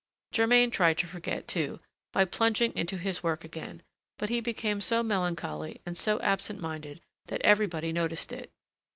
Germain tried to forget, too, by plunging into his work again; but he became so melancholy and so absent minded that everybody noticed it.